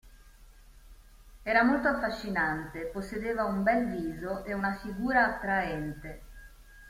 Era molto affascinante, possedeva un bel viso e una figura attraente.